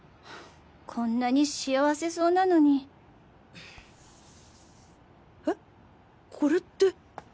こんなに幸せそうなのに。え！？これって。